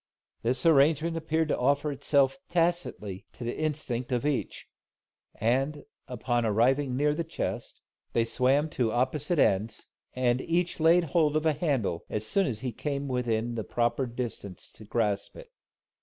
This arrangement appeared to offer itself tacitly to the Instinct of each; and, on arriving near the chest, they swam to opposite ends, and each laid hold of a handle, as soon as he came within the proper distance to grasp it.